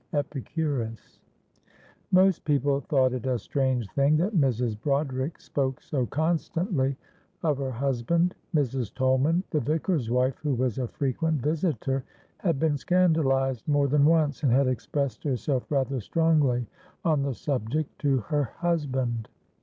Epicurus. Most people thought it a strange thing that Mrs. Broderick spoke so constantly of her husband. Mrs. Tolman, the Vicar's wife, who was a frequent visitor, had been scandalised more than once, and had expressed herself rather strongly on the subject to her husband.